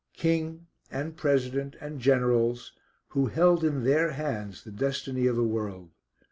King, and President, and Generals, who held in their hands the destiny of the world.